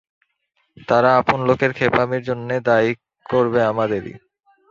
তারা আপন লোকের খেপামির জন্যে দায়িক করবে আমাদেরই।